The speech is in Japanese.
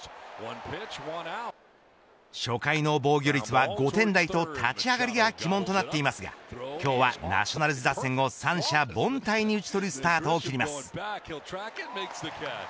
初回の防御率は５点台と立ち上がりが鬼門となっていますが今日はナショナルズ打線を三者凡退に打ち取るスタートを切ります。